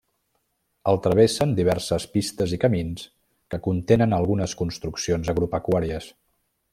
El travessen diverses pistes i camins que contenen algunes construccions agropecuàries.